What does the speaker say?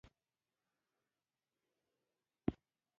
د میسوری سیند یو لوی مرستیال دی.